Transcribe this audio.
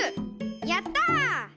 やった！